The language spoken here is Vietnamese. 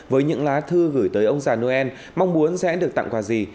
với những lá thư gửi tới ông già noel mong muốn sẽ được tặng quà gì